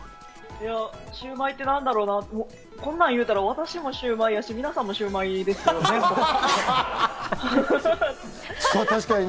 シウマイってなんだろうなって、こんな言ったら私もシウマイやし、皆さんもシウマイですよね。